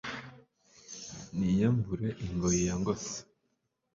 niyambure ingoyi yangose